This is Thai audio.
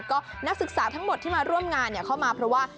ก็นักศึกษาทั้งหมดที่มาร่วมงานเข้ามาเพราะว่า